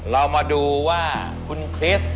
เรามาดูว่าคุณคริสต์